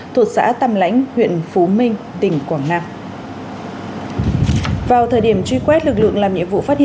thuộc xã tâm lãnh